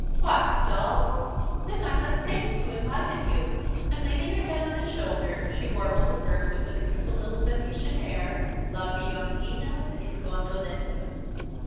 "What? Dull? Then I must sing to enliven you." And, leaning her head on his shoulder, she warbled a verse of the beautiful little Venetian air, _La Biondina in Gondoletta.